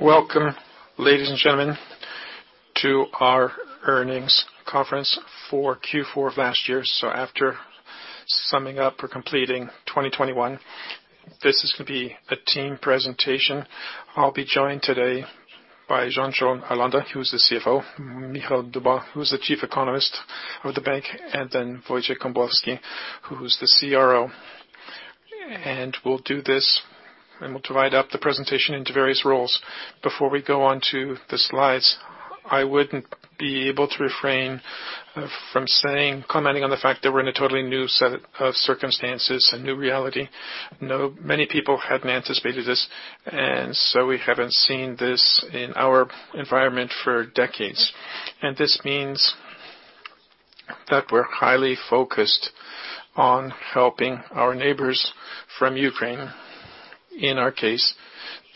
Welcome, ladies and gentlemen, to our earnings conference for Q4 of last year. After summing up or completing 2021, this is gonna be a team presentation. I'll be joined today by Jean-Charles Aranda, who's the CFO, Michał Dybuła, who's the Chief Economist of the bank, and then Wojciech Kembłowski, who's the CRO. We'll do this, and we'll divide up the presentation into various roles. Before we go on to the slides, I wouldn't be able to refrain from saying, commenting on the fact that we're in a totally new set of circumstances, a new reality. Many people hadn't anticipated this, and so we haven't seen this in our environment for decades. This means that we're highly focused on helping our neighbors from Ukraine. In our case,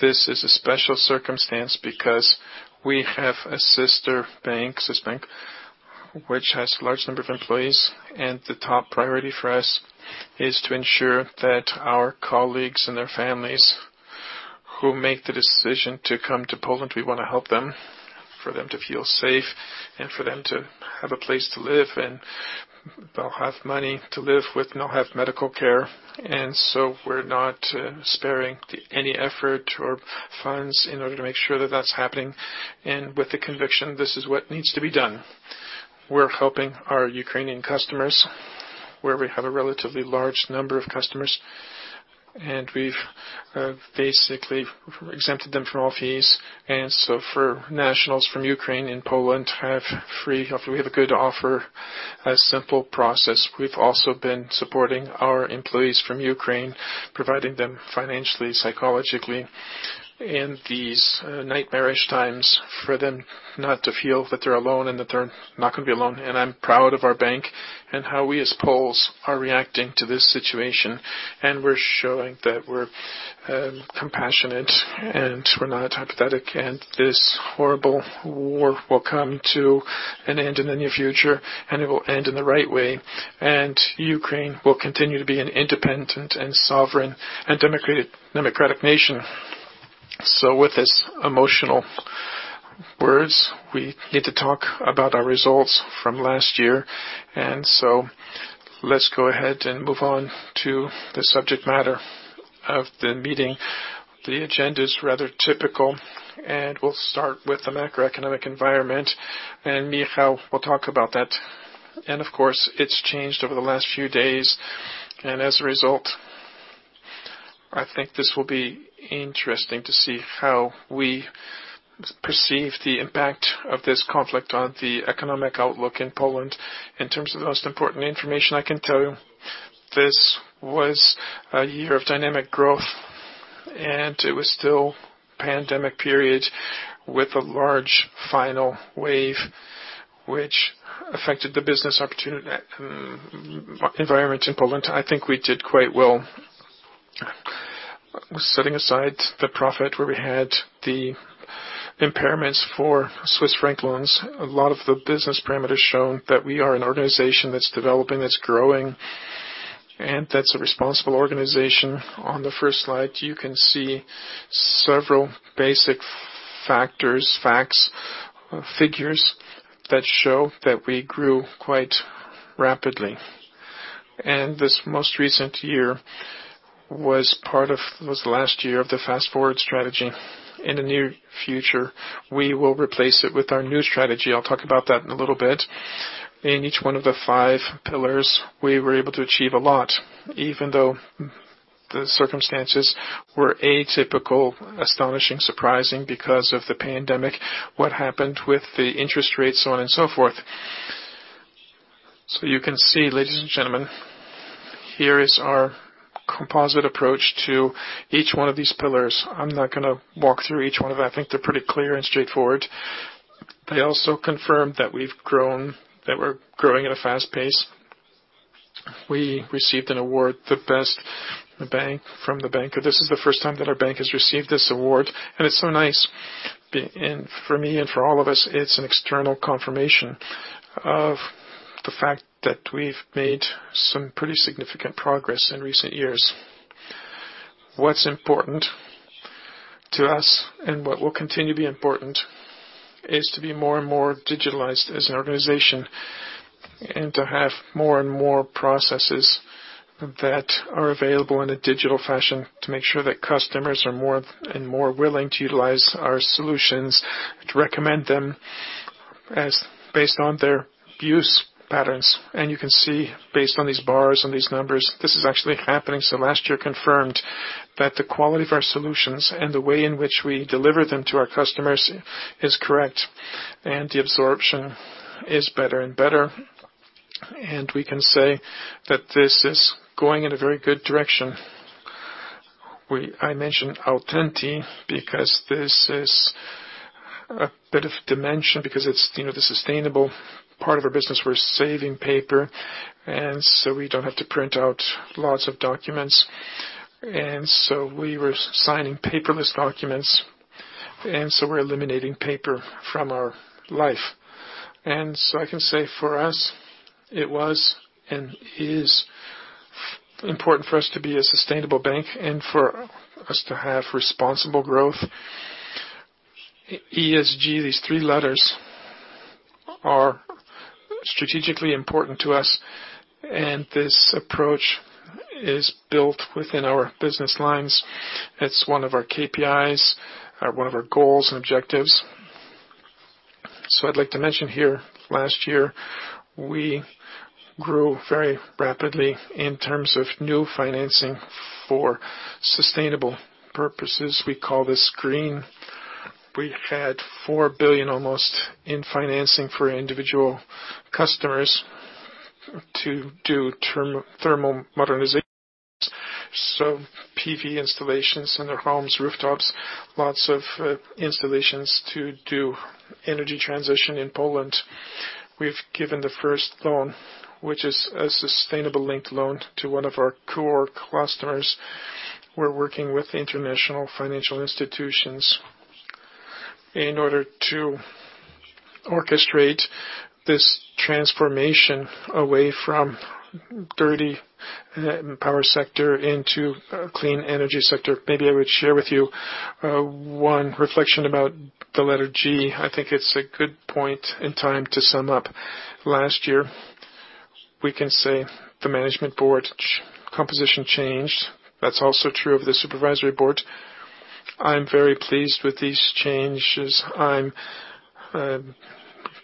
this is a special circumstance because we have a sister bank, which has a large number of employees, and the top priority for us is to ensure that our colleagues and their families who make the decision to come to Poland, we wanna help them, for them to feel safe and for them to have a place to live, and they'll have money to live with, and they'll have medical care. We're not sparing any effort or funds in order to make sure that that's happening. With the conviction, this is what needs to be done. We're helping our Ukrainian customers, where we have a relatively large number of customers, and we've basically exempted them from all fees. For nationals from Ukraine and Poland, we have a good offer, a simple process. We've also been supporting our employees from Ukraine, providing them financially, psychologically in these nightmarish times for them not to feel that they're alone and that they're not gonna be alone. I'm proud of our bank and how we as Poles are reacting to this situation. We're showing that we're compassionate, and we're not apathetic. This horrible war will come to an end in the near future, and it will end in the right way. Ukraine will continue to be an independent and sovereign and democratic nation. With this emotional words, we need to talk about our results from last year. Let's go ahead and move on to the subject matter of the meeting. The agenda is rather typical, and we'll start with the macroeconomic environment, and Michał will talk about that. Of course, it's changed over the last few days. As a result, I think this will be interesting to see how we perceive the impact of this conflict on the economic outlook in Poland. In terms of the most important information I can tell you, this was a year of dynamic growth, and it was still pandemic period with a large final wave which affected the business environment in Poland. I think we did quite well. Setting aside the profit where we had the impairments for Swiss franc loans, a lot of the business parameters show that we are an organization that's developing, that's growing, and that's a responsible organization. On the first slide, you can see several basic factors, facts, figures that show that we grew quite rapidly. This most recent year was the last year of the Fast Forward strategy. In the near future, we will replace it with our new strategy. I'll talk about that in a little bit. In each one of the five pillars, we were able to achieve a lot, even though the circumstances were atypical, astonishing, surprising because of the pandemic, what happened with the interest rates, so on and so forth. You can see, ladies and gentlemen, here is our composite approach to each one of these pillars. I'm not gonna walk through each one of that. I think they're pretty clear and straightforward. They also confirm that we've grown, that we're growing at a fast pace. We received an award, the best bank from The Banker. This is the first time that our bank has received this award, and it's so nice. For me and for all of us, it's an external confirmation of the fact that we've made some pretty significant progress in recent years. What's important to us and what will continue to be important is to be more and more digitalized as an organization and to have more and more processes that are available in a digital fashion to make sure that customers are more and more willing to utilize our solutions, to recommend them as based on their use patterns. You can see based on these bars, on these numbers, this is actually happening. Last year confirmed that the quality of our solutions and the way in which we deliver them to our customers is correct, and the absorption is better and better. We can say that this is going in a very good direction. I mentioned Autenti because this is a bit of dimension because it's, you know, the sustainable part of our business. We're saving paper, and so we don't have to print out lots of documents. We were signing paperless documents, and so we're eliminating paper from our life. I can say for us it was and is important for us to be a sustainable bank and for us to have responsible growth. ESG, these three letters are strategically important to us, and this approach is built within our business lines. It's one of our KPIs, one of our goals and objectives. I'd like to mention here, last year we grew very rapidly in terms of new financing for sustainable purposes. We call this green. We had almost 4 billion in financing for individual customers to do thermal modernizations. PV installations in their homes, rooftops, lots of installations to do energy transition in Poland. We've given the first loan, which is a sustainability-linked loan to one of our core clusters. We're working with international financial institutions in order to orchestrate this transformation away from dirty power sector into a clean energy sector. Maybe I would share with you one reflection about the letter G. I think it's a good point in time to sum up. Last year we can say the management board composition changed. That's also true of the supervisory board. I'm very pleased with these changes. I'm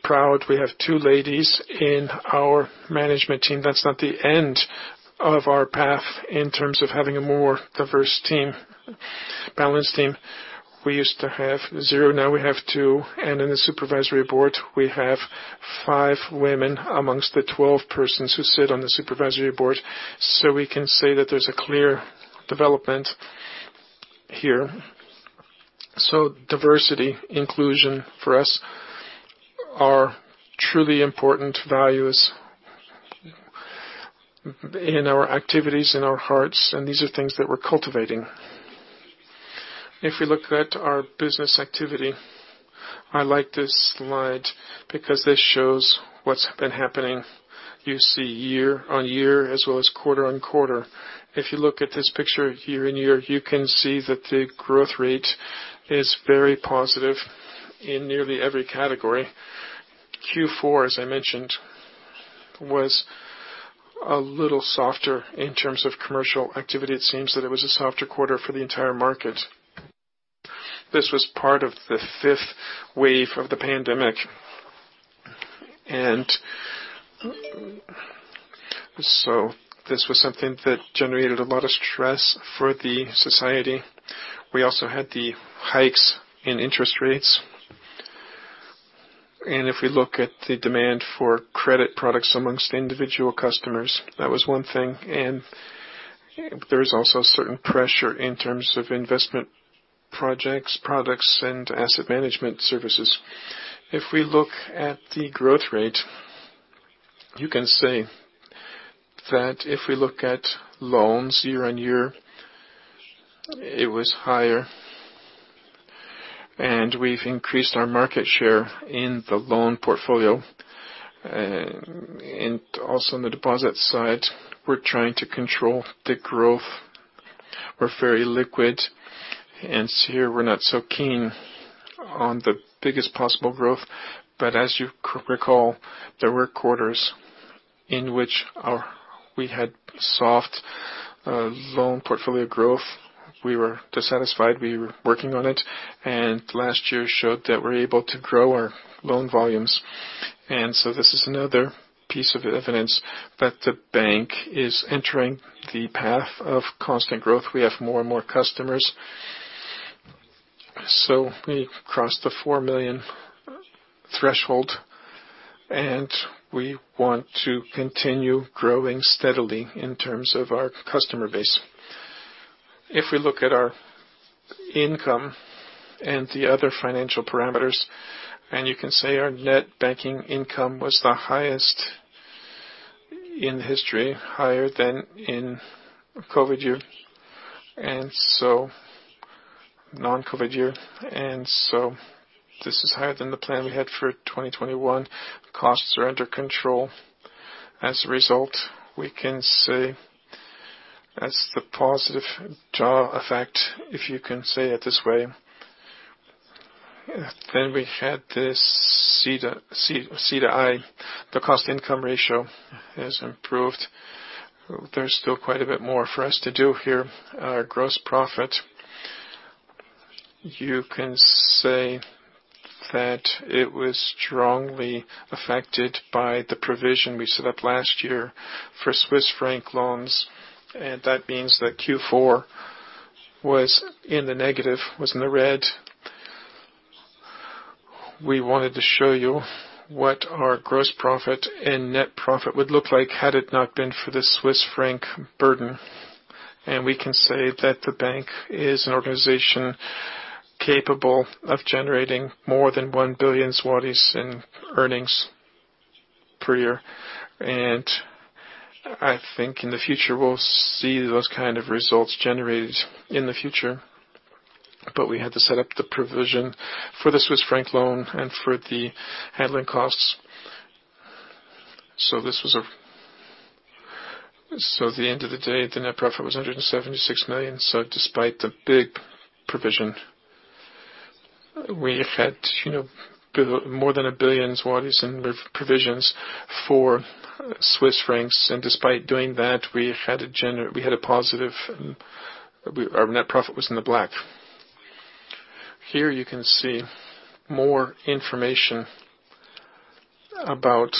proud we have two ladies in our management team. That's not the end of our path in terms of having a more diverse team, balanced team. We used to have zero, now we have two, and in the supervisory board we have five women among the 12 persons who sit on the supervisory board. We can say that there's a clear development here. Diversity, inclusion for us are truly important values in our activities, in our hearts, and these are things that we're cultivating. If we look at our business activity, I like this slide because this shows what's been happening. You see year-over-year as well as quarter-over-quarter. If you look at this picture year-over-year, you can see that the growth rate is very positive in nearly every category. Q4, as I mentioned, was a little softer in terms of commercial activity. It seems that it was a softer quarter for the entire market. This was part of the fifth wave of the pandemic. This was something that generated a lot of stress for the society. We also had the hikes in interest rates. If we look at the demand for credit products among individual customers, that was one thing. There is also certain pressure in terms of investment projects, products and asset management services. If we look at the growth rate, you can say that if we look at loans year-over-year, it was higher and we've increased our market share in the loan portfolio. Also on the deposit side, we're trying to control the growth. We're very liquid and here we're not so keen on the biggest possible growth. As you recall, there were quarters in which we had soft loan portfolio growth. We were dissatisfied, we were working on it, and last year showed that we're able to grow our loan volumes. This is another piece of evidence that the bank is entering the path of constant growth. We have more and more customers, so we've crossed the 4 million threshold, and we want to continue growing steadily in terms of our customer base. If we look at our income and the other financial parameters, and you can say our net banking income was the highest in history, higher than in COVID year, and so non-COVID year, and so this is higher than the plan we had for 2021. Costs are under control. As a result, we can say that's the positive jaw effect, if you can say it this way. We had this C/I. The cost income ratio has improved. There's still quite a bit more for us to do here. Our gross profit, you can say that it was strongly affected by the provision we set up last year for Swiss franc loans, and that means that Q4 was in the negative, was in the red. We wanted to show you what our gross profit and net profit would look like had it not been for the Swiss franc burden. We can say that the bank is an organization capable of generating more than 1 billion zlotys in earnings per year. I think in the future, we'll see those kind of results generated in the future. We had to set up the provision for the Swiss franc loan and for the handling costs. At the end of the day, the net profit was 176 million. Despite the big provision, we've had, you know, more than 1 billion zlotys in provisions for Swiss francs. Despite doing that, we had a positive net profit. Our net profit was in the black. Here you can see more information about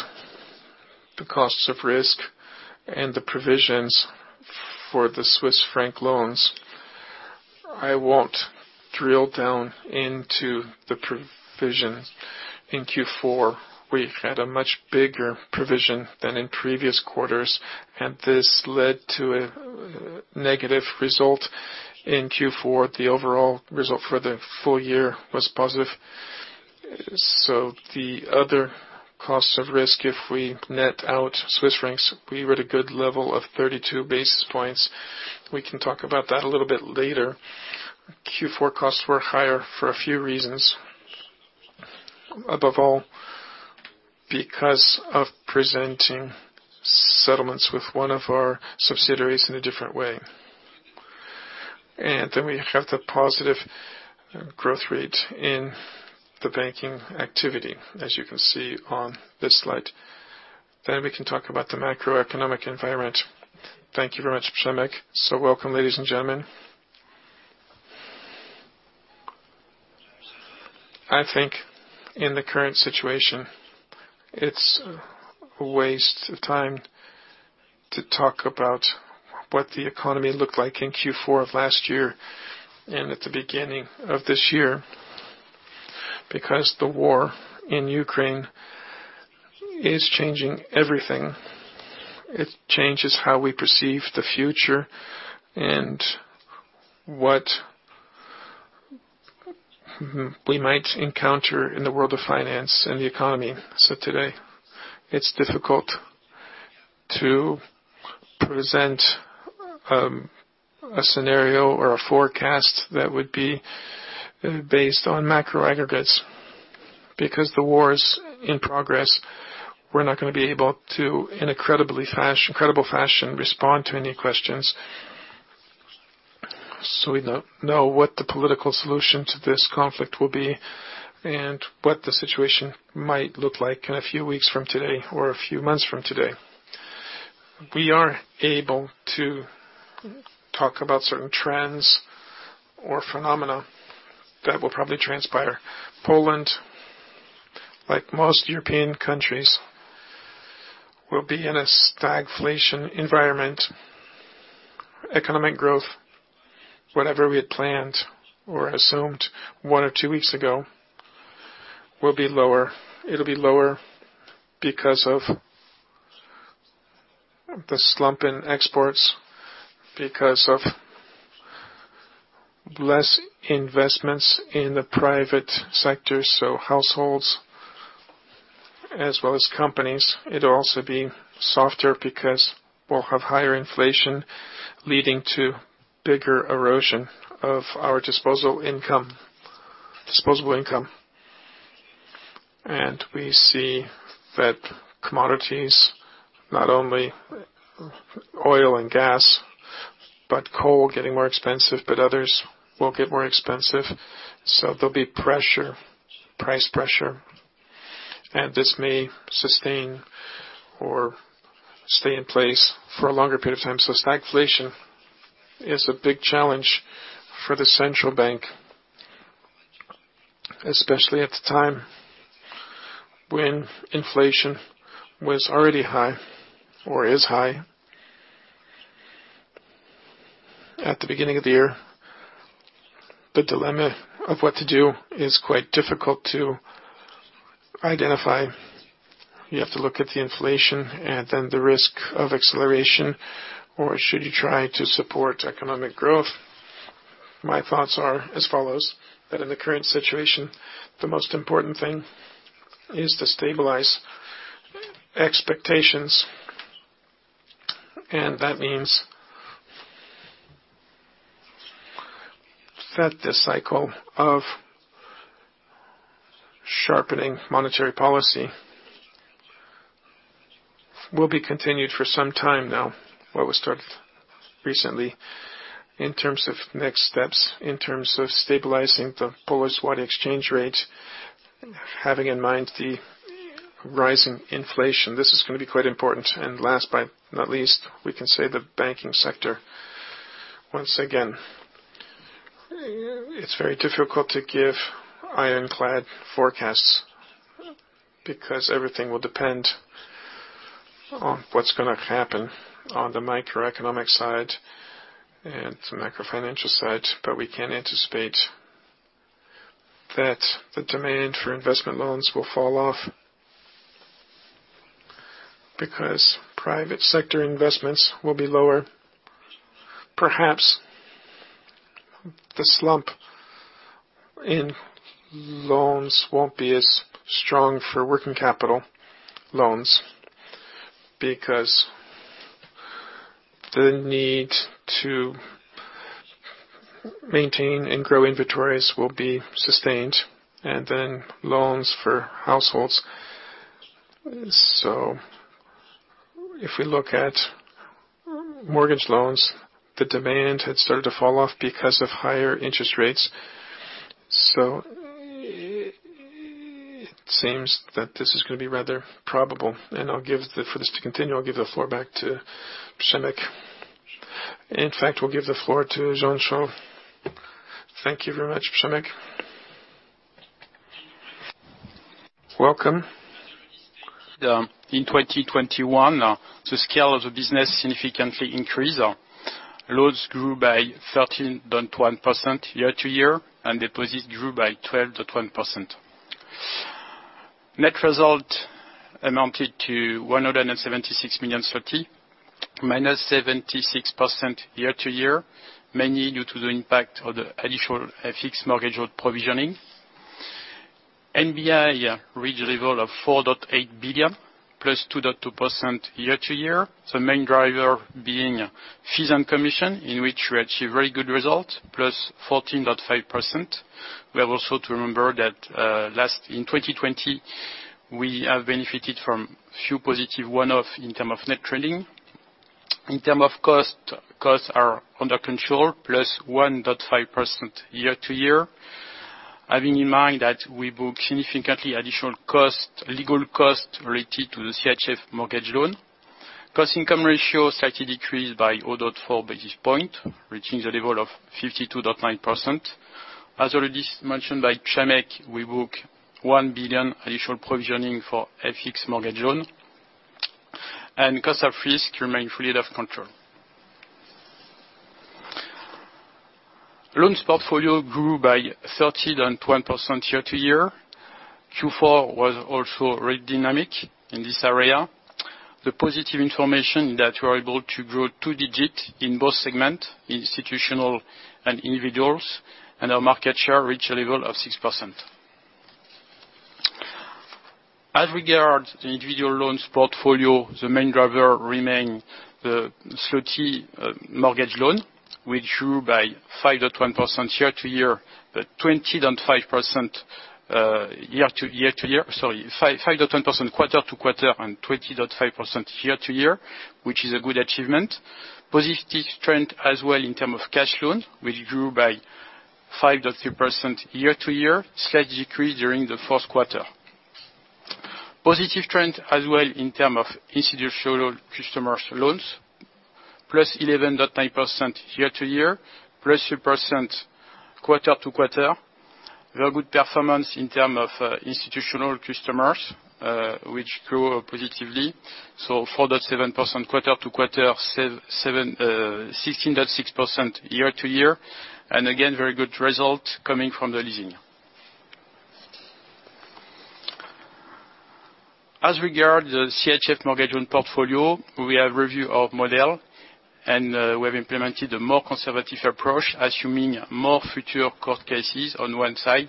the costs of risk and the provisions for the Swiss franc loans. I won't drill down into the provisions. In Q4, we've had a much bigger provision than in previous quarters, and this led to a negative result in Q4. The overall result for the full year was positive. The other cost of risk, if we net out Swiss francs, we were at a good level of 32 basis points. We can talk about that a little bit later. Q4 costs were higher for a few reasons. Above all, because of presenting settlements with one of our subsidiaries in a different way. We have the positive growth rate in the banking activity, as you can see on this slide. We can talk about the macroeconomic environment. Thank you very much, Przemysław. Welcome, ladies and gentlemen. I think in the current situation, it's a waste of time to talk about what the economy looked like in Q4 of last year and at the beginning of this year, because the war in Ukraine is changing everything. It changes how we perceive the future and what we might encounter in the world of finance and the economy. Today it's difficult to present a scenario or a forecast that would be based on macro aggregates. Because the war is in progress, we're not gonna be able to, in a credible fashion, respond to any questions. We don't know what the political solution to this conflict will be and what the situation might look like in a few weeks from today or a few months from today. We are able to talk about certain trends or phenomena that will probably transpire. Poland, like most European countries, will be in a stagflation environment. Economic growth, whatever we had planned or assumed one or two weeks ago, will be lower. It'll be lower because of the slump in exports, because of less investments in the private sector, so households as well as companies. It'll also be softer because we'll have higher inflation leading to bigger erosion of our disposable income. We see that commodities, not only oil and gas, but coal getting more expensive, but others will get more expensive. There'll be pressure, price pressure, and this may sustain or stay in place for a longer period of time. Stagflation is a big challenge for the central bank, especially at the time when inflation was already high or is high at the beginning of the year. The dilemma of what to do is quite difficult to identify. You have to look at the inflation and then the risk of acceleration, or should you try to support economic growth? My thoughts are as follows, that in the current situation, the most important thing is to stabilize expectations. That means that this cycle of sharpening monetary policy will be continued for some time now, what was started recently. In terms of next steps, in terms of stabilizing the Polish zloty exchange rate, having in mind the rise in inflation, this is gonna be quite important. Last but not least, we can say the banking sector. Once again, it's very difficult to give ironclad forecasts because everything will depend on what's gonna happen on the macroeconomic side and the macro financial side, but we can anticipate that the demand for investment loans will fall off because private sector investments will be lower. Perhaps the slump in loans won't be as strong for working capital loans because the need to maintain and grow inventories will be sustained, and then loans for households. If we look at mortgage loans, the demand had started to fall off because of higher interest rates. It seems that this is gonna be rather probable. I'll give the floor back to Przemysław. In fact, we'll give the floor to Jean-Charles. Thank you very much, Przemysław. Welcome. In 2021, the scale of the business significantly increased. Loans grew by 13.1% year-to-year, and deposits grew by 12.1%. Net result amounted to PLN 176 million, -76% year-to-year, mainly due to the impact of the additional FX mortgage loan provisioning. NBI reached a level of 4.8 billion +2.2% year-to-year, the main driver being fees and commission in which we achieve very good result, +14.5%. We have also to remember that, in 2020, we have benefited from few positive one-off in terms of net trading. In terms of cost, costs are under control, +1.5% year-to-year. Having in mind that we book significantly additional cost, legal cost related to the CHF mortgage loan. Cost income ratio slightly decreased by 0.4 basis point, reaching the level of 52.9%. As already mentioned by Przemysław, we book 1 billion additional provisioning for FX mortgage loan. Cost of risk remain fully under control. Loans portfolio grew by 13.1% year-to-year. Q4 was also really dynamic in this area. The positive information that we're able to grow two digit in both segment, institutional and individuals, and our market share reached a level of 6%. As regards the individual loans portfolio, the main driver remain the Swissie mortgage loan, which grew by 5.1% quarter-to-quarter and 20.5% year-to-year, which is a good achievement. Positive trend as well in terms of cash loans, which grew by 5.3% year-over-year, slight decrease during the fourth quarter. Positive trend as well in terms of institutional customers loans, +11.9% year-over-year, +2% quarter-over-quarter. Very good performance in terms of institutional customers, which grew positively, 4.7% quarter-over-quarter 16.6% year-over-year, and again, very good result coming from the leasing. As regards the CHF mortgage loan portfolio, we have reviewed the model, and we have implemented a more conservative approach, assuming more future court cases on one side,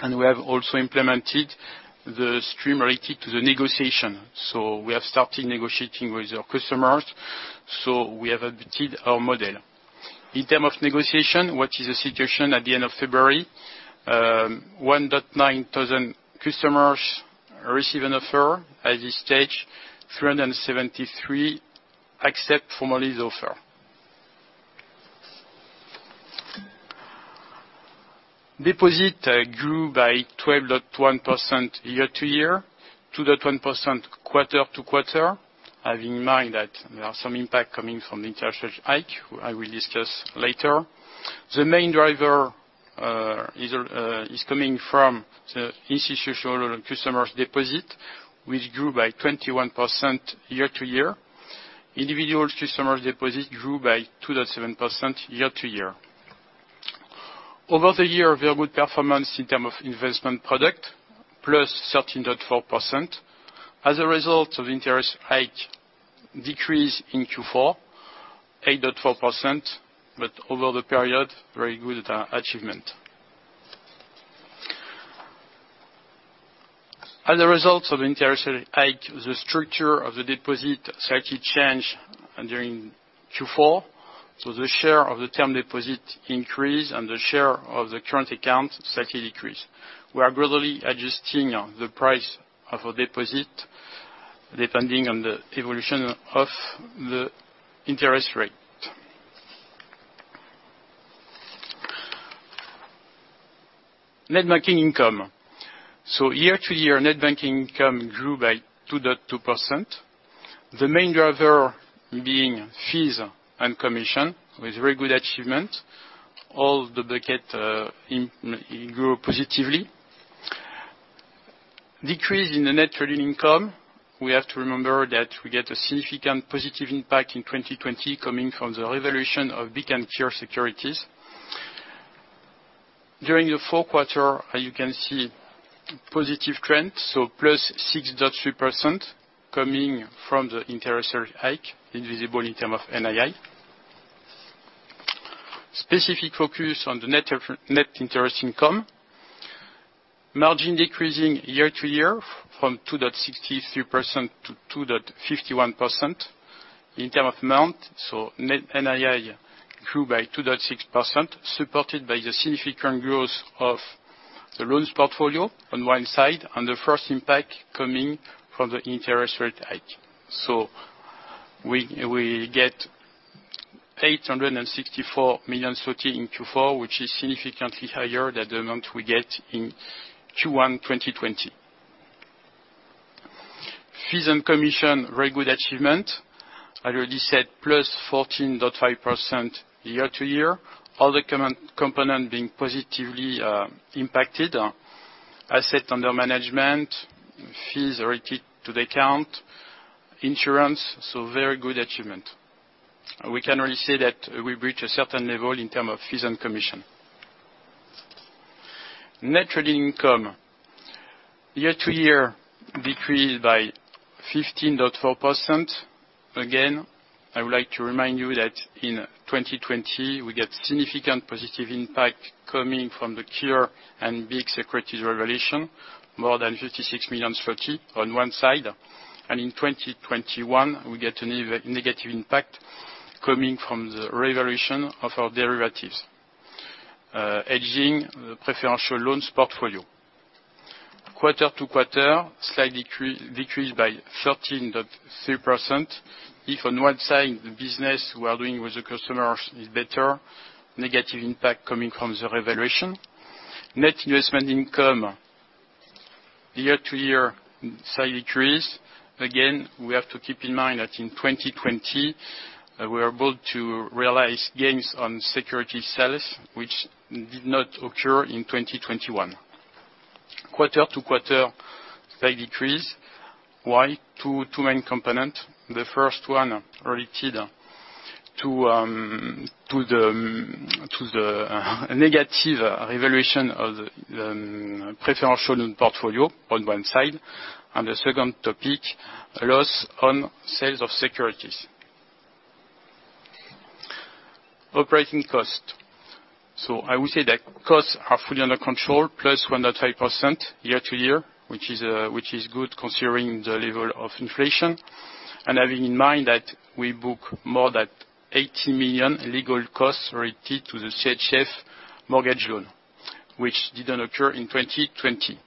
and we have also implemented the scheme related to the negotiation. We have started negotiating with our customers, we have updated our model. In terms of negotiation, which is the situation at the end of February, 1,900 customers receive an offer. At this stage, 373 accept from all these offers. Deposits grew by 12.1% year-over-year, 2.1% quarter-over-quarter. Bear in mind that there are some impacts coming from the interest rate hike, which I will discuss later. The main driver is coming from the institutional customers' deposits, which grew by 21% year-over-year. Individual customers' deposits grew by 2.7% year-over-year. Over the year, very good performance in terms of investment products, +13.4%. As a result of interest rate hike, decrease in Q4, 8.4%, but over the period, very good achievement. As a result of interest hike, the structure of the deposit slightly changed during Q4, so the share of the term deposit increased and the share of the current account slightly decreased. We are gradually adjusting the price of a deposit depending on the evolution of the interest rate. Net banking income. Year-to-year, net banking income grew by 2.2%, the main driver being fees and commission with very good achievement. All the bucket, in, it grew positively. Decrease in the net trading income, we have to remember that we get a significant positive impact in 2020 coming from the revaluation of BGK securities. During the fourth quarter, you can see positive trend, so +6.3% coming from the interest rate hike, visible in terms of NII. Specific focus on net interest income. Margin decreasing year-over-year from 2.63%-2.51% in terms of amount. Net NII grew by 2.6%, supported by the significant growth of the loans portfolio on one side, and the first impact coming from the interest rate hike. We get 864 million zlotys in Q4, which is significantly higher than the amount we get in Q1 2020. Fees and commission, very good achievement. I already said +14.5% year-over-year. All the components being positively impacted. Assets under management, fees related to the account, insurance, so very good achievement. We can really say that we reach a certain level in terms of fees and commission. Net trading income year-over-year decreased by 15.4%. Again, I would like to remind you that in 2020 we get significant positive impact coming from the currency and BGK securities revaluation, more than 56 million zloty on one side. In 2021 we get a negative impact coming from the revaluation of our derivatives hedging preferential loans portfolio. Quarter-over-quarter, slight decrease by 13.3%. If on one side the business we are doing with the customers is better, negative impact coming from the revaluation. Net interest income year-over-year slight decrease. Again, we have to keep in mind that in 2020 we are able to realize gains on securities sales, which did not occur in 2021. Quarter-over-quarter, slight decrease. Why? Two main component. The first one related to the negative revaluation of the preferential loan portfolio on one side. The second topic, loss on sales of securities. Operating cost. I would say that costs are fully under control, +1.5% year-over-year, which is good considering the level of inflation. Having in mind that we book more than 80 million legal costs related to the CHF mortgage loan, which didn't occur in 2020.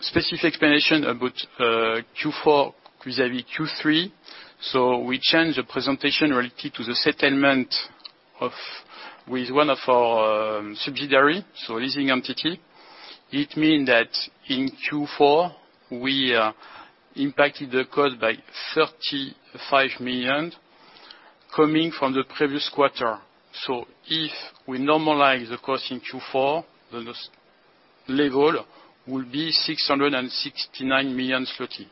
Specific explanation about Q4 vis-à-vis Q3. We change the presentation related to the settlement of with one of our subsidiary, so leasing entity. It means that in Q4, we impacted the cost by 35 million coming from the previous quarter. If we normalize the cost in Q4, then this level will be 669 million zloty.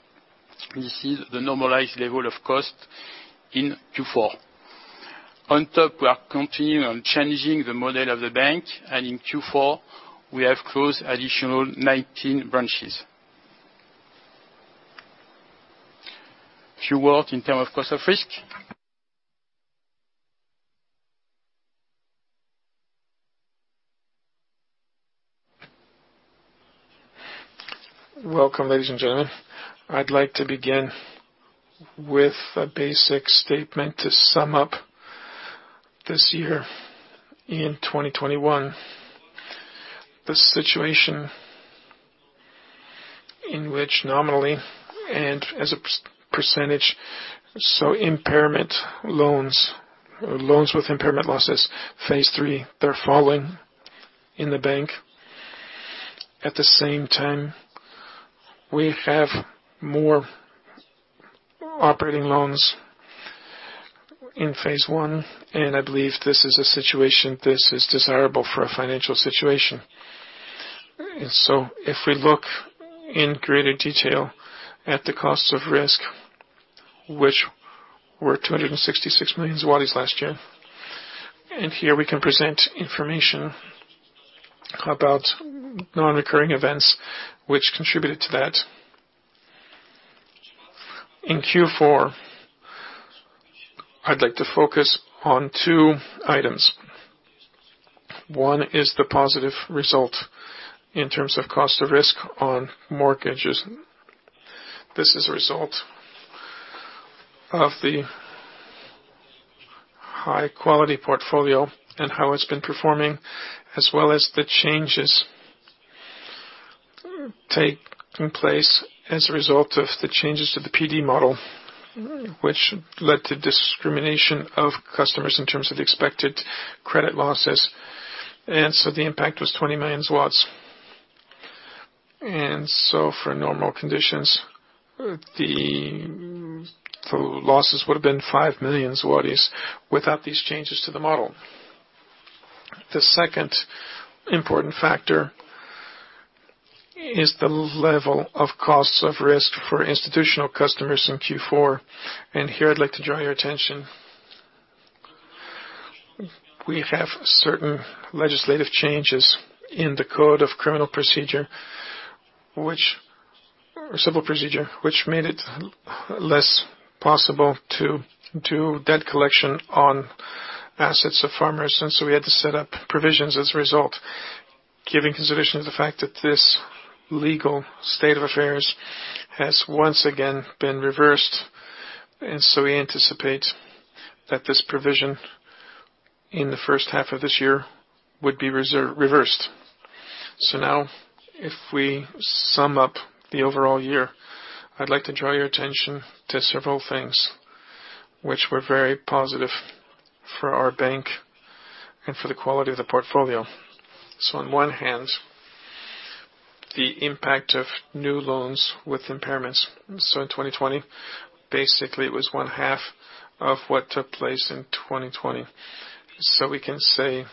This is the normalized level of cost in Q4. On top, we are continuing on changing the model of the bank, and in Q4 we have closed additional 19 branches. Few words in terms of cost of risk. Welcome, ladies and gentlemen. I'd like to begin with a basic statement to sum up this year in 2021. The situation in which nominally and as a percentage, so impairment loans or loans with impairment losses, phase three, they're falling in the bank. At the same time, we have more operating loans in phase one, and I believe this is desirable for a financial situation. If we look in greater detail at the cost of risk, which was 266 million zlotys last year, and here we can present information about non-recurring events which contributed to that. In Q4, I'd like to focus on two items. One is the positive result in terms of cost of risk on mortgages. This is a result of the high-quality portfolio and how it's been performing, as well as the changes take place as a result of the changes to the PD model, which led to discrimination of customers in terms of expected credit losses. The impact was 20 million. For normal conditions, the losses would have been 5 million zlotys without these changes to the model. The second important factor is the level of costs of risk for institutional customers in Q4, and here I'd like to draw your attention. We have certain legislative changes in the Code of Civil Procedure, which made it less possible to do debt collection on assets of farmers, so we had to set up provisions as a result. Giving consideration to the fact that this legal state of affairs has once again been reversed, and so we anticipate that this provision in the first half of this year would be reversed. Now if we sum up the overall year, I'd like to draw your attention to several things which were very positive for our bank and for the quality of the portfolio. On one hand, the impact of new loans with impairments. In 2020 basically it was one half of what took place in 2020. We can say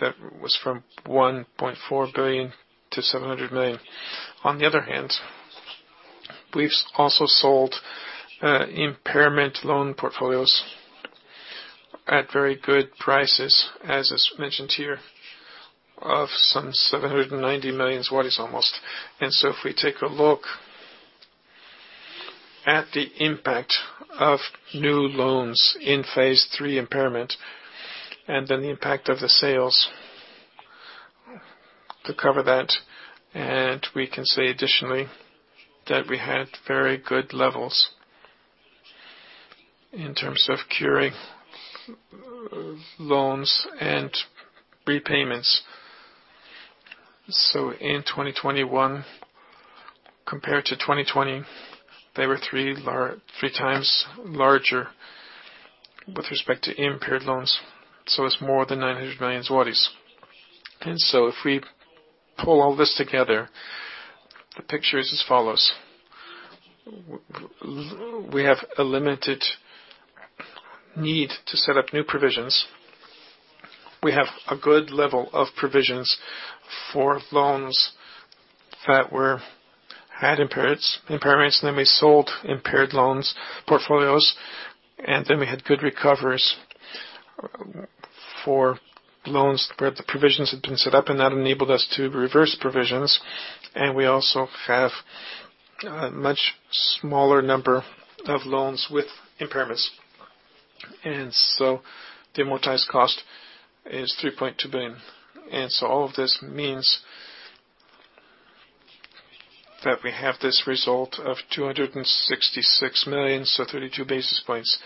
that was from 1.4 billion to 700 million. On the other hand, we've also sold impairment loan portfolios at very good prices as is mentioned here, of some 790 million almost. If we take a look at the impact of new loans in phase three impairment and then the impact of the sales to cover that, and we can say additionally that we had very good levels in terms of curing loans and repayments. In 2021 compared to 2020, they were three times larger with respect to impaired loans. It's more than 900 million zlotys. If we pull all this together, the picture is as follows. We have a limited need to set up new provisions. We have a good level of provisions for loans that were impaired, then we sold impaired loan portfolios, and then we had good recoveries for loans where the provisions had been set up and that enabled us to reverse provisions. We also have a much smaller number of loans with impairments. The amortized cost is 3.2 billion. All of this means that we have this result of 266 million, so 32 basis points.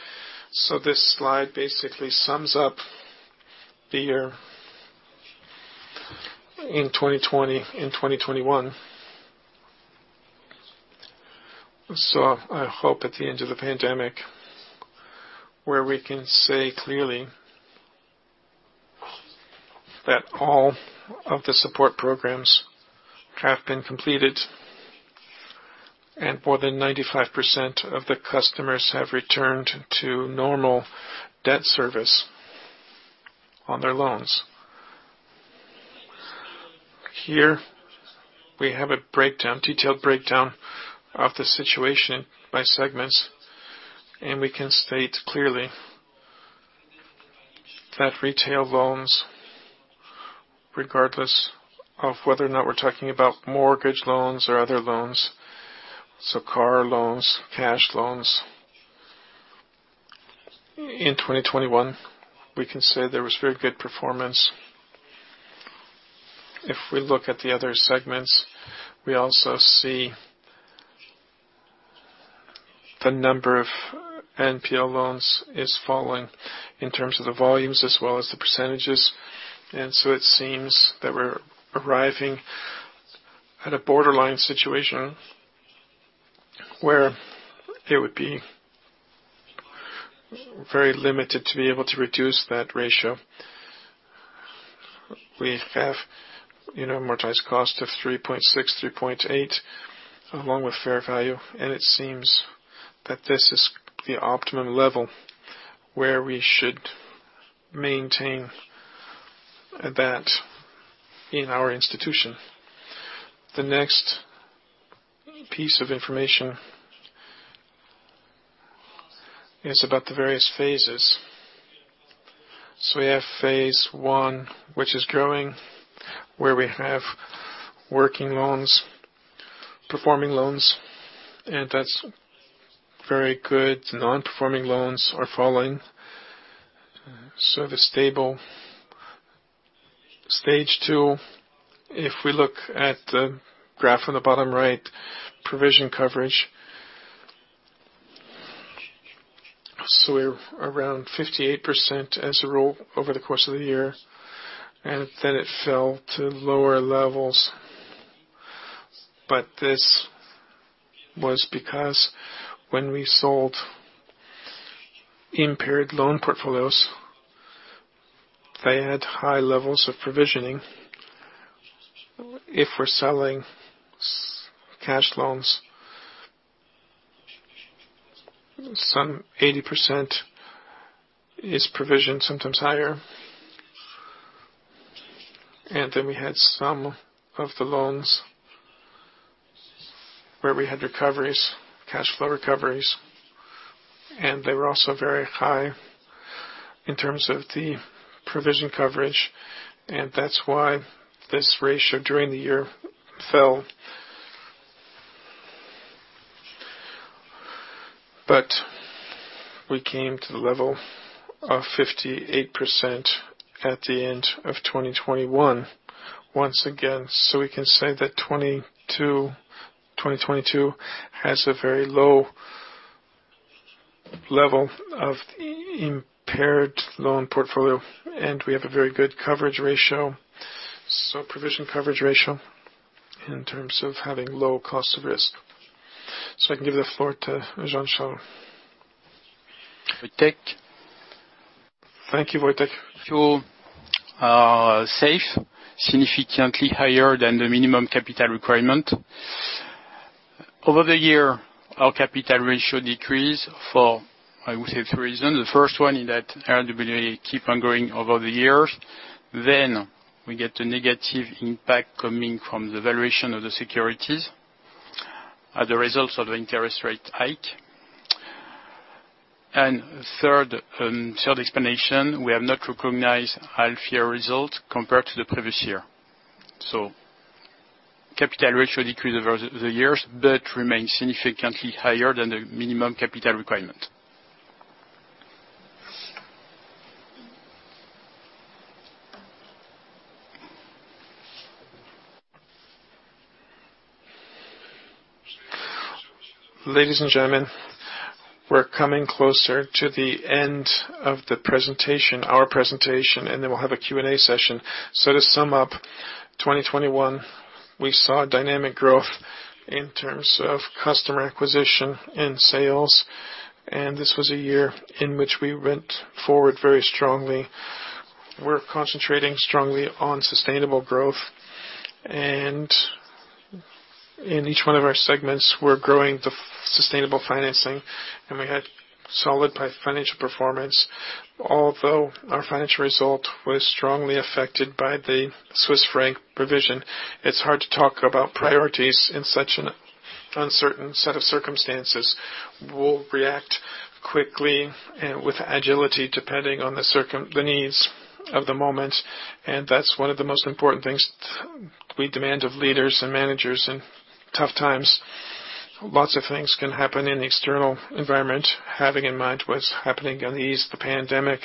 This slide basically sums up the year in 2020 and 2021. I hope at the end of the pandemic where we can say clearly that all of the support programs have been completed and more than 95% of the customers have returned to normal debt service on their loans. Here we have a breakdown, detailed breakdown of the situation by segments and we can state clearly that retail loans regardless of whether or not we're talking about mortgage loans or other loans, so car loans, cash loans. In 2021 we can say there was very good performance. If we look at the other segments we also see the number of NPL loans is falling in terms of the volumes as well as the percentages. It seems that we're arriving at a borderline situation where it would be very limited to be able to reduce that ratio. We have, you know, amortized cost of 3.6, 3.8 along with fair value and it seems that this is the optimum level where we should maintain that in our institution. The next piece of information is about the various phases. We have phase one which is growing, where we have working loans, performing loans and that's very good. Non-performing loans are falling, so they're stable. Stage two, if we look at the graph on the bottom right, provision coverage. We're around 58% as a rule over the course of the year, and then it fell to lower levels. This was because when we sold impaired loan portfolios they had high levels of provisioning. If we're selling cash loans some 80% is provisioned, sometimes higher. Then we had some of the loans where we had recoveries, cash flow recoveries. They were also very high in terms of the provision coverage, and that's why this ratio during the year fell. We came to the level of 58% at the end of 2021. Once again, we can say that 2022 has a very low level of impaired loan portfolio, and we have a very good coverage ratio, so provision coverage ratio in terms of having low cost of risk. I can give the floor to Jean-Charles. Wojciech. Thank you, Wojciech. Our capital ratio is safe, significantly higher than the minimum capital requirement. Over the year, our capital ratio decreased for, I would say, two reasons. The first one is that RWA keep on growing over the years. We get the negative impact coming from the valuation of the securities, the results of the interest rate hike. Third explanation, we have not recognized half year results compared to the previous year. Capital ratio decreased over the years but remained significantly higher than the minimum capital requirement. Ladies and gentlemen, we're coming closer to the end of the presentation, our presentation, and then we'll have a Q&A session. To sum up, 2021, we saw dynamic growth in terms of customer acquisition and sales, and this was a year in which we went forward very strongly. We're concentrating strongly on sustainable growth, and in each one of our segments, we're growing the sustainable financing, and we had solid financial performance. Although our financial result was strongly affected by the Swiss franc provision, it's hard to talk about priorities in such an uncertain set of circumstances. We'll react quickly and with agility depending on the needs of the moment, and that's one of the most important things we demand of leaders and managers in tough times. Lots of things can happen in the external environment, having in mind what's happening in the East, the pandemic.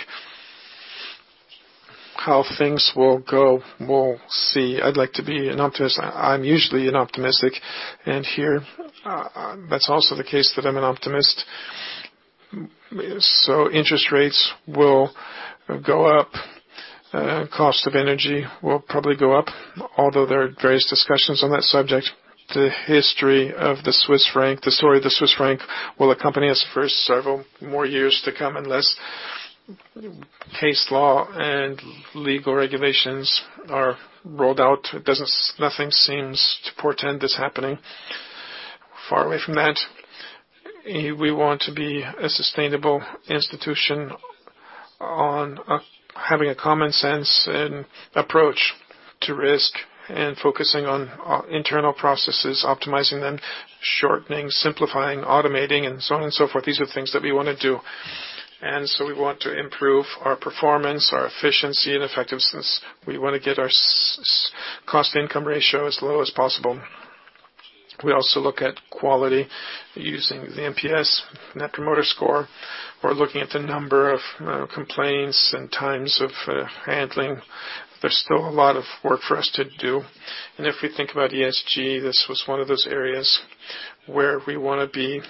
How things will go, we'll see. I'd like to be an optimist. I'm usually an optimist, and here, that's also the case that I'm an optimist. So interest rates will go up. Cost of energy will probably go up, although there are various discussions on that subject. The history of the Swiss franc, the story of the Swiss franc will accompany us for several more years to come unless case law and legal regulations are rolled out. Nothing seems to portend this happening. Far away from that, we want to be a sustainable institution on having a common sense and approach to risk and focusing on internal processes, optimizing them, shortening, simplifying, automating and so on and so forth. These are things that we wanna do. We want to improve our performance, our efficiency and effectiveness. We want to get our cost income ratio as low as possible. We also look at quality using the NPS, Net Promoter Score. We're looking at the number of complaints and times of handling. There's still a lot of work for us to do, and if we think about ESG, this was one of those areas where we want to be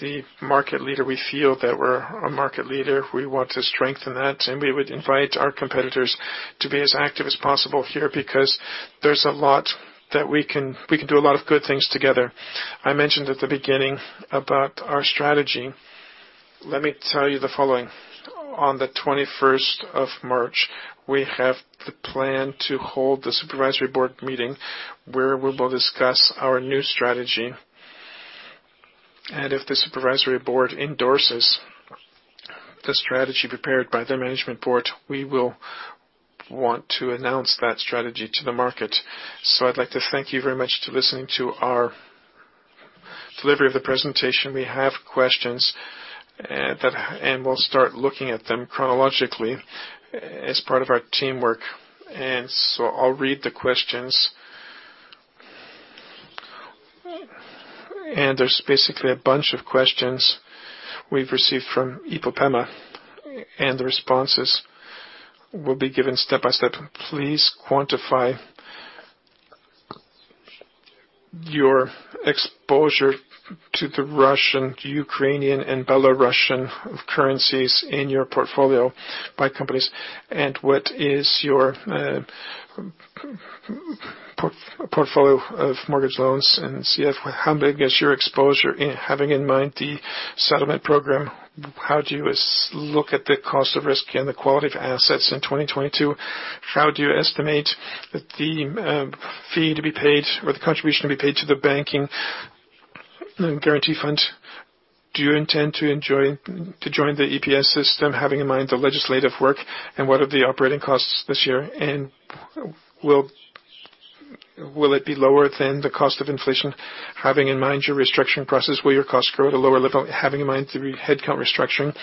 the market leader. We feel that we're a market leader. We want to strengthen that, and we would invite our competitors to be as active as possible here because there's a lot that we can do a lot of good things together. I mentioned at the beginning about our strategy. Let me tell you the following. On the 21st of March, we have the plan to hold the supervisory board meeting where we will discuss our new strategy. If the supervisory board endorses the strategy prepared by the management board, we will want to announce that strategy to the market. I'd like to thank you very much for listening to our delivery of the presentation. We have questions, we'll start looking at them chronologically as part of our teamwork. I'll read the questions. There's basically a bunch of questions we've received from IPOPEMA, and the responses will be given step by step. Please quantify your exposure to the Russian, Ukrainian, and Belarusian currencies in your portfolio by companies, and what is your portfolio of mortgage loans in CHF? How big is your exposure having in mind the settlement program? How do you look at the cost of risk and the quality of assets in 2022? How do you estimate the fee to be paid or the contribution to be paid to the banking guarantee fund? Do you intend to join the EPS system, having in mind the legislative work, and what are the operating costs this year? Will it be lower than the cost of inflation? Having in mind your restructuring process, will your costs grow at a lower level, having in mind the headcount restructuring?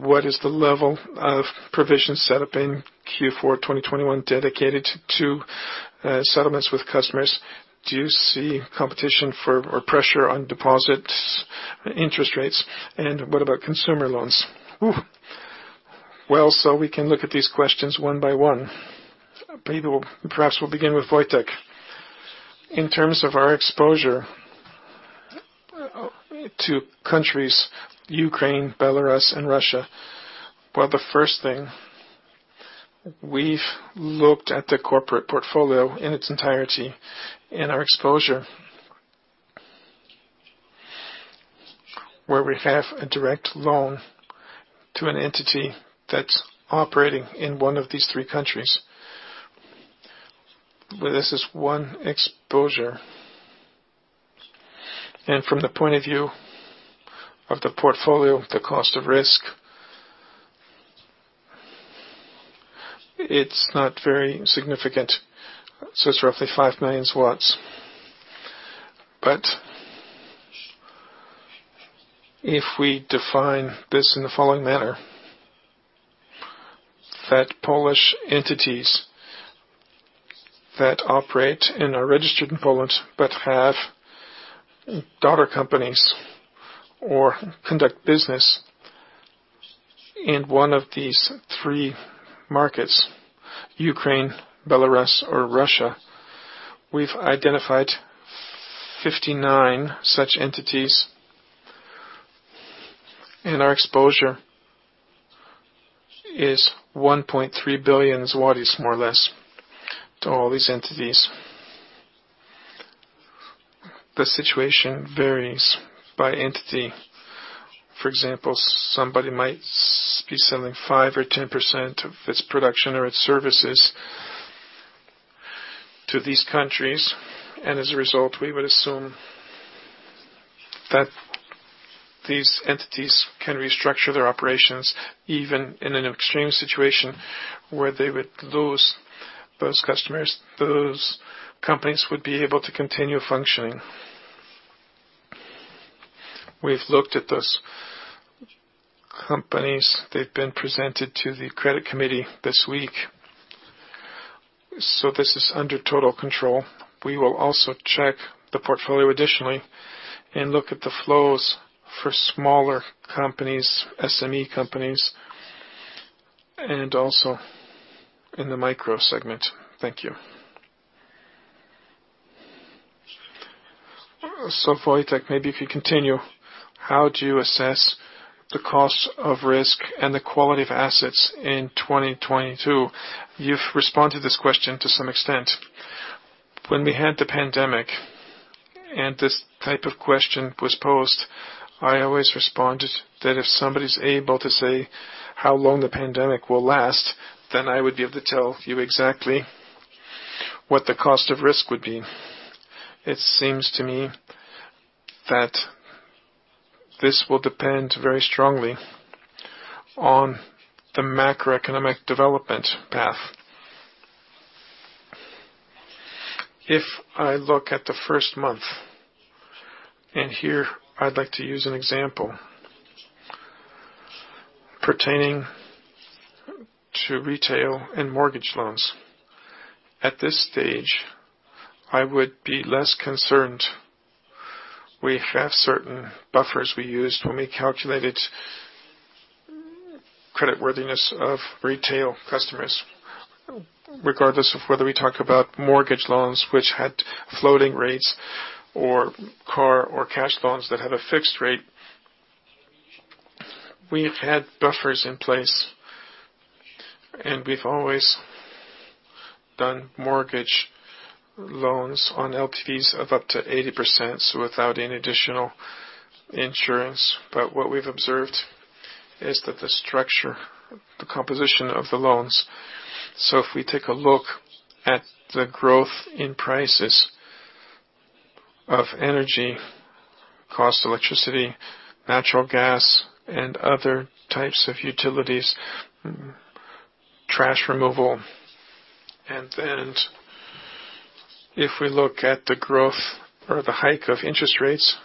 What is the level of provision set up in Q4 2021 dedicated to settlements with customers? Do you see competition for or pressure on deposit interest rates, and what about consumer loans? Well, we can look at these questions one by one. Perhaps we'll begin with Wojciech. In terms of our exposure to countries Ukraine, Belarus, and Russia, well, the first thing, we've looked at the corporate portfolio in its entirety and our exposure where we have a direct loan to an entity that's operating in one of these three countries. Well, this is one exposure. From the point of view of the portfolio, the cost of risk it's not very significant. It's roughly 5 million. If we define this in the following manner, that Polish entities that operate and are registered in Poland but have daughter companies or conduct business in one of these three markets, Ukraine, Belarus, or Russia, we've identified 59 such entities, and our exposure is 1.3 billion, more or less, to all these entities. The situation varies by entity. For example, somebody might be selling 5% or 10% of its production or its services to these countries, and as a result, we would assume that these entities can restructure their operations, even in an extreme situation where they would lose those customers, those companies would be able to continue functioning. We've looked at those companies. They've been presented to the credit committee this week. This is under total control. We will also check the portfolio additionally and look at the flows for smaller companies, SME companies, and also in the micro segment. Thank you. Wojciech, maybe if you continue, how do you assess the cost of risk and the quality of assets in 2022? You've responded to this question to some extent. When we had the pandemic and this type of question was posed, I always responded that if somebody's able to say how long the pandemic will last, then I would be able to tell you exactly what the cost of risk would be. It seems to me that this will depend very strongly on the macroeconomic development path. If I look at the first month, and here I'd like to use an example pertaining to retail and mortgage loans, at this stage, I would be less concerned. We have certain buffers we used when we calculated creditworthiness of retail customers, regardless of whether we talk about mortgage loans, which had floating rates, or car or cash loans that have a fixed rate. We've had buffers in place, and we've always done mortgage loans on LTVs of up to 80%, so without any additional insurance. What we've observed is that the structure, the composition of the loans, so if we take a look at the growth in prices of energy, cost of electricity, natural gas, and other types of utilities, trash removal. Then if we look at the growth or the hike of interest rates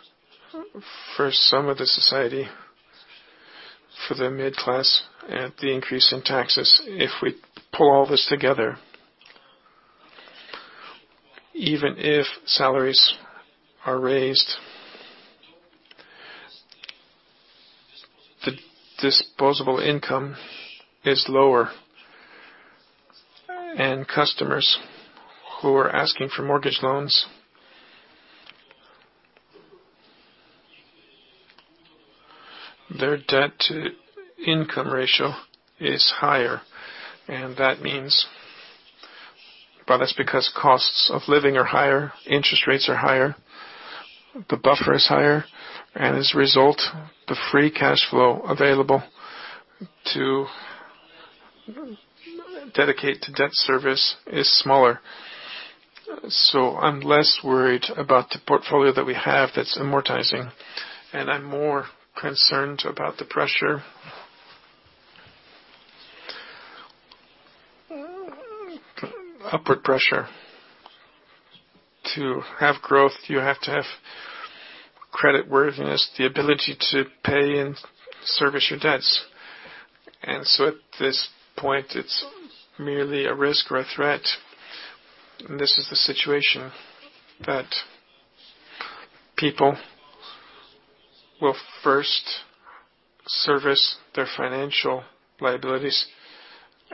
for some of the society, for the middle class, and the increase in taxes, if we pull all this together, even if salaries are raised the disposable income is lower, and customers who are asking for mortgage loans their debt-to-income ratio is higher, and that means. Well, that's because costs of living are higher, interest rates are higher, the buffer is higher, and as a result, the free cash flow available to dedicate to debt service is smaller. I'm less worried about the portfolio that we have that's amortizing, and I'm more concerned about the upward pressure. To have growth, you have to have creditworthiness, the ability to pay and service your debts. At this point, it's merely a risk or a threat. This is the situation that people will first service their financial liabilities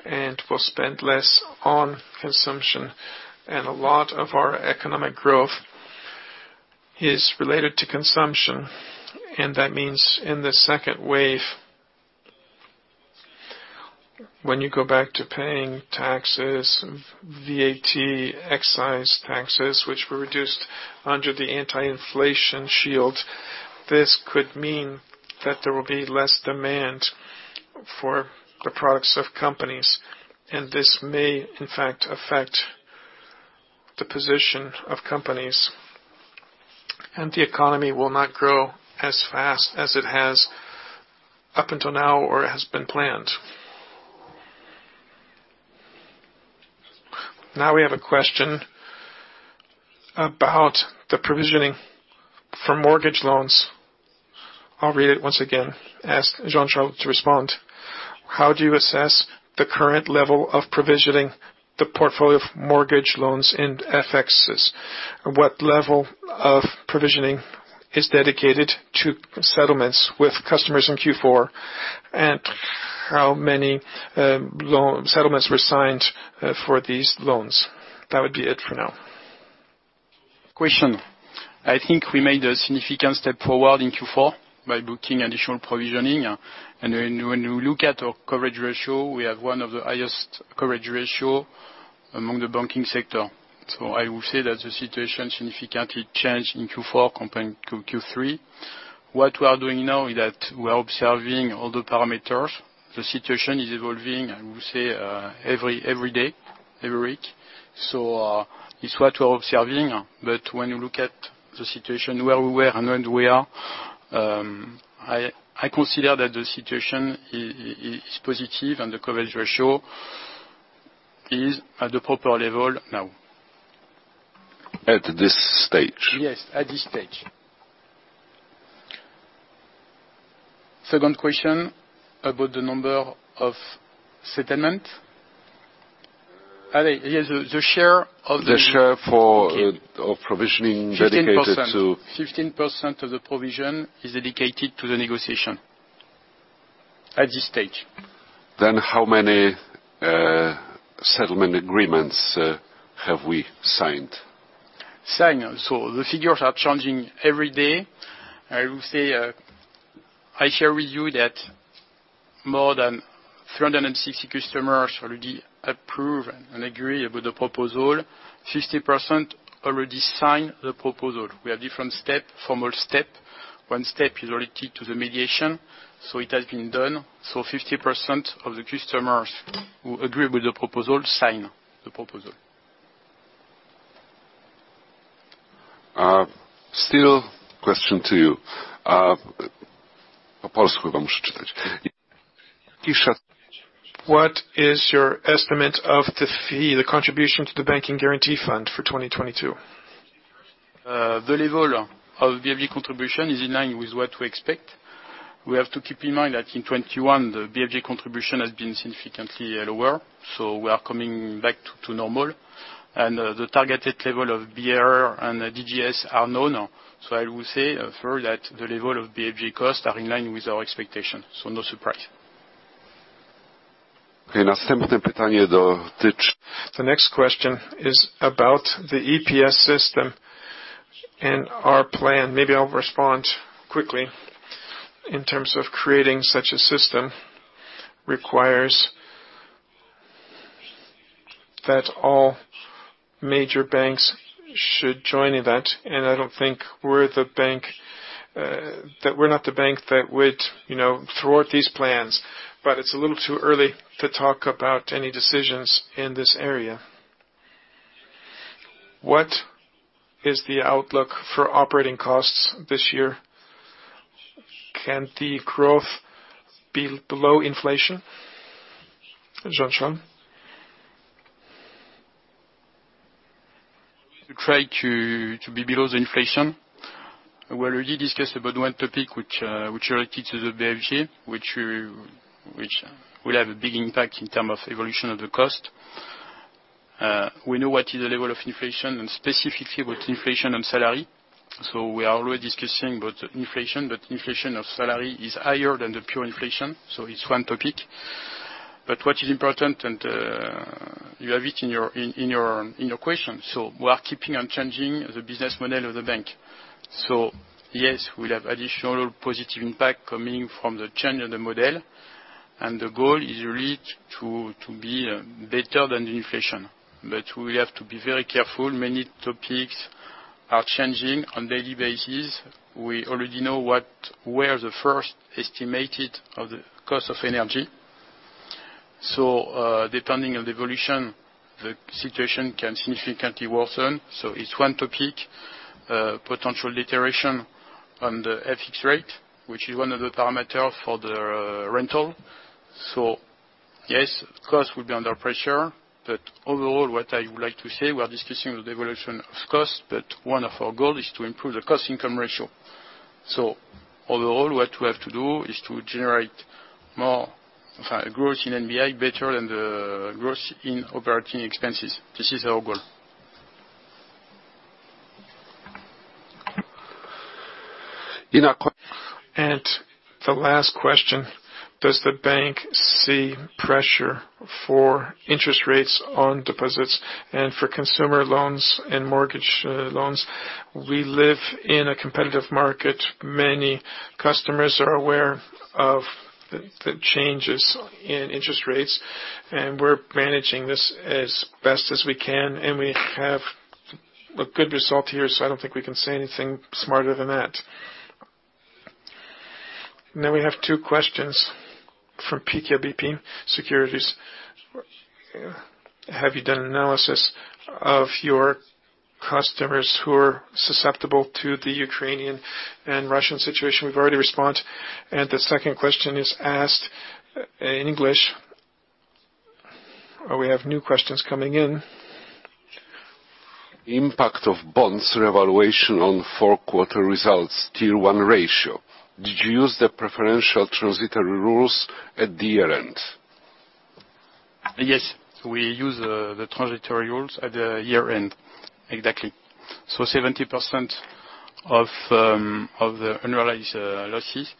and will spend less on consumption. A lot of our economic growth is related to consumption. That means in the second wave, when you go back to paying taxes, VAT, excise taxes, which were reduced under the Anti-Inflation Shield, this could mean that there will be less demand for the products of companies, and this may, in fact, affect the position of companies. The economy will not grow as fast as it has up until now or has been planned. Now we have a question about the provisioning for mortgage loans. I'll read it once again, ask Jean-Charles to respond. How do you assess the current level of provisioning the portfolio of mortgage loans in FXs? What level of provisioning is dedicated to settlements with customers in Q4? How many settlements were signed for these loans? That would be it for now. I think we made a significant step forward in Q4 by booking additional provisioning. When you look at our coverage ratio, we have one of the highest coverage ratios among the banking sector. I will say that the situation significantly changed in Q4 compared to Q3. What we are doing now is that we are observing all the parameters. The situation is evolving, I will say, every day, every week. It's what we're observing. When you look at the situation where we were and where we are, I consider that the situation is positive and the coverage ratio is at the proper level now. At this stage? Yes, at this stage. Second question about the number of settlement. [Ali], the share of the- The share for- Okay. Of provisioning dedicated to- 15% of the provision is dedicated to the negotiation at this stage. How many settlement agreements have we signed? Signed. The figures are changing every day. I will say, I share with you that more than 360 customers already approve and agree with the proposal. 50% already sign the proposal. We have different step, formal step. One step is related to the mediation, so it has been done. 50% of the customers who agree with the proposal sign the proposal. Still question to you. What is your estimate of the fee, the contribution to the Bank Guarantee Fund for 2022? The level of BFG contribution is in line with what we expect. We have to keep in mind that in 2021, the BFG contribution has been significantly lower, so we are coming back to normal. The targeted level of BR and DGS are known. I will say for that the level of BFG costs are in line with our expectations, no surprise. The next question is about the EPS system and our plan. Maybe I'll respond quickly. In terms of creating such a system requires that all major banks should join in that, and I don't think we're the bank that would, you know, thwart these plans. It's a little too early to talk about any decisions in this area. What is the outlook for operating costs this year? Can the growth be below inflation? Jean-Charles. We try to be below the inflation. We already discussed about one topic which related to the BFG, which will have a big impact in terms of evolution of the cost. We know what is the level of inflation and specifically with inflation on salary. We are already discussing about inflation, but inflation of salary is higher than the pure inflation, so it's one topic. What is important, and you have it in your question, so we are keeping on changing the business model of the bank. Yes, we'll have additional positive impact coming from the change of the model, and the goal is really to be better than the inflation. We have to be very careful. Many topics are changing on daily basis. We already know what were the first estimates of the cost of energy. Depending on the evolution, the situation can significantly worsen. It's one topic, potential deterioration of the FX rate, which is one of the parameters for the rental. Yes, of course, we'll be under pressure. Overall, what I would like to say, we are discussing the evolution of cost, but one of our goals is to improve the cost income ratio. Overall, what we have to do is to generate more growth in NBI better and growth in operating expenses. This is our goal. The last question, does the bank see pressure for interest rates on deposits and for consumer loans and mortgage loans? We live in a competitive market. Many customers are aware of the changes in interest rates, and we're managing this as best as we can, and we have a good result here, so I don't think we can say anything smarter than that. Now we have two questions from PKO BP Securities. Have you done analysis of your customers who are susceptible to the Ukrainian and Russian situation? We've already responded. The second question is asked in English. We have new questions coming in. Impact of bonds revaluation on four-quarter results, Tier 1 ratio. Did you use the preferential transitory rules at the year-end? Yes, we use the transitory rules at the year-end. Exactly. So 70% of the unrealized losses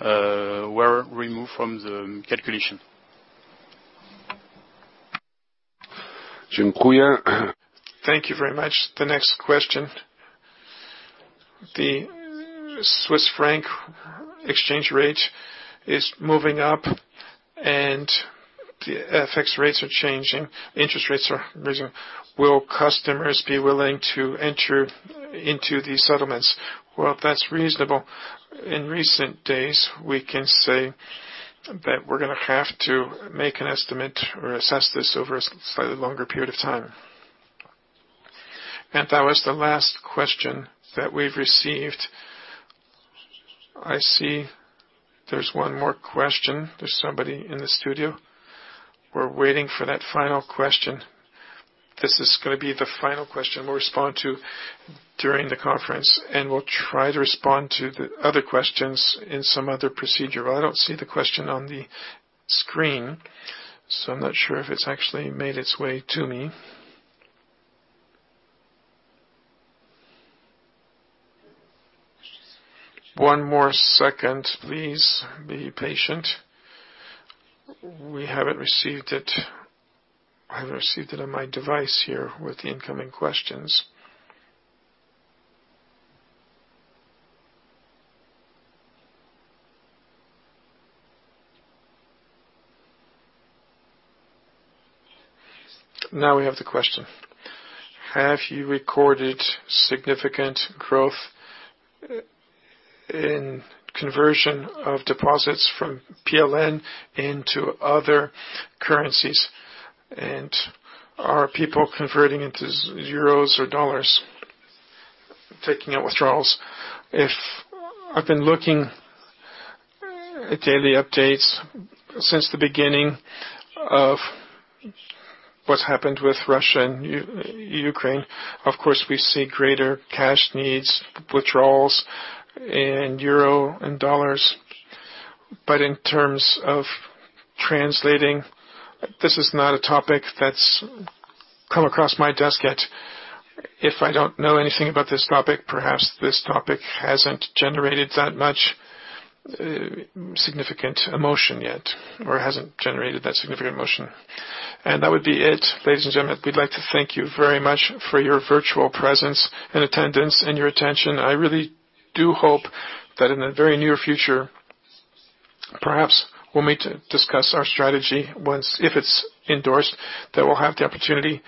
were removed from the calculation. Thank you very much. The next question. The Swiss franc exchange rate is moving up and the FX rates are changing, interest rates are rising. Will customers be willing to enter into these settlements? Well, that's reasonable. In recent days, we can say that we're gonna have to make an estimate or assess this over a slightly longer period of time. That was the last question that we've received. I see there's one more question. There's somebody in the studio. We're waiting for that final question. This is gonna be the final question we'll respond to during the conference, and we'll try to respond to the other questions in some other procedure. I don't see the question on the screen, so I'm not sure if it's actually made its way to me. One more second, please. Be patient. We haven't received it. I've received it on my device here with the incoming questions. Now we have the question. Have you recorded significant growth in conversion of deposits from PLN into other currencies? And are people converting into euros or dollars, taking out withdrawals? I've been looking at daily updates since the beginning of what's happened with Russia and Ukraine. Of course, we see greater cash needs, withdrawals in euros and dollars. But in terms of converting, this is not a topic that's come across my desk yet. I don't know anything about this topic. Perhaps this topic hasn't generated that much significant emotion yet, or hasn't generated that significant emotion. That would be it. Ladies and gentlemen, we'd like to thank you very much for your virtual presence and attendance and your attention. I really do hope that in the very near future, perhaps we'll meet to discuss our strategy once, if it's endorsed, that we'll have the opportunity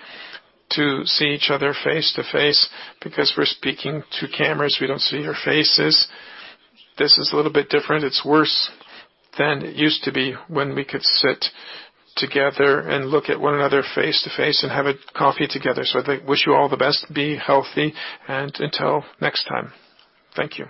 to see each other face-to-face because we're speaking to cameras. We don't see your faces. This is a little bit different. It's worse than it used to be when we could sit together and look at one another face-to-face and have a coffee together. I wish you all the best, be healthy, and until next time. Thank you.